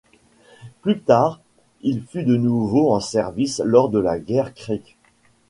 Plus tard, il fut de nouveau en service lors de la guerre Creek.